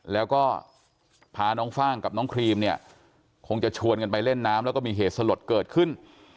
แล้วก็พาน้องฟ่างกับน้องครีมเนี่ยคงจะชวนกันไปเล่นน้ำแล้วก็มีเหตุสลดเกิดขึ้น